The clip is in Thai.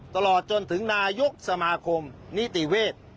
ตลอดจนถึงนายกสมาคมนิติเวศ